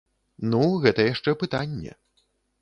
Ну, гэта яшчэ пытанне.